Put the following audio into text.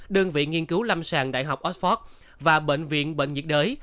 đơn vị nghiên cứu lâm sàng đại học oxford và bệnh viện bệnh nhiệt đới